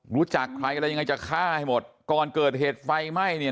รู้จักใครอะไรยังไงจะฆ่าให้หมดก่อนเกิดเหตุไฟไหม้เนี่ย